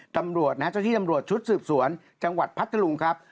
ตำรวจนะฮะเจ้าที่ตำรวจชุดสืบสวนจังหวัดพัทธลุงครับ